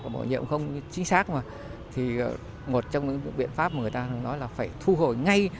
bổ nhiệm không chính xác mà một trong những biện pháp mà người ta nói là phải thu hồi ngay